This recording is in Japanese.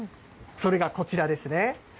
それがこちらですね。